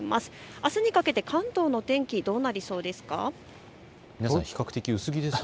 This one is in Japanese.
あすにかけて関東のお天気、どうなりそうですか。